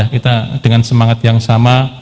kita dengan semangat yang sama